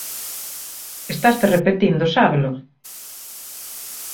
Estaste repetindo, sábelo?